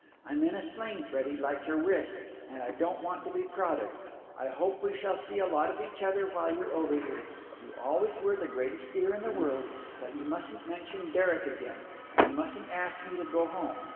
I'm in a sling, Freddie, like your wrist, and I don't want to be prodded. I hope we shall see a lot of each other while you're over here you always were the greatest dear in the world but you mustn't mention Derek again, and you mustn't ask me to go home.